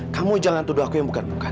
kamu jangan tuduh aku yang bukan bukan